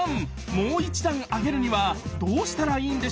もう一段上げるにはどうしたらいいんでしょうか？